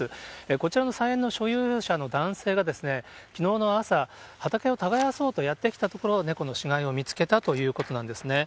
こちらの菜園の所有者の男性が、きのうの朝、畑を耕そうとやって来たところ、猫の死骸を見つけたということなんですね。